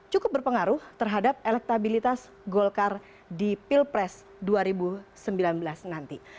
cukup berpengaruh terhadap elektabilitas golkar di pilpres dua ribu sembilan belas nanti